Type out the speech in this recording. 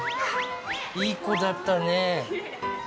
いい子だったね。